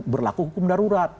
berlaku hukum darurat